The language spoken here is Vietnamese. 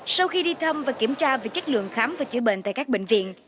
sau khi đi thăm và kiểm tra về chất lượng khám và chữa bệnh tại các bệnh viện